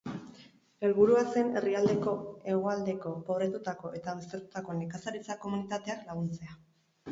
Helburua zen herrialdeko hegoaldeko pobretutako eta baztertutako nekazaritza-komunitateak laguntzea.